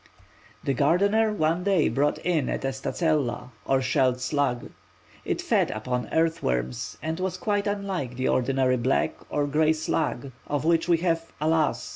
The gardener one day brought in a testacella, or shelled slug. It fed upon earth worms and was quite unlike the ordinary black or grey slug, of which we have, alas!